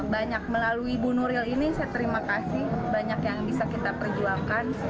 banyak melalui ibu nuril ini saya terima kasih banyak yang bisa kita perjuangkan